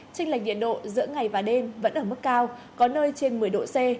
trình lệch nhiệt độ giữa ngày và đêm vẫn ở mức cao có nơi trên một mươi độ c